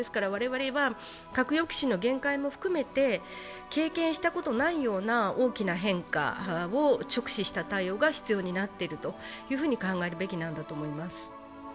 我々は核抑止の限界も含めて経験したことのないような大きな変化を直視した対応が必要になっていると考えるべきなんだと思います。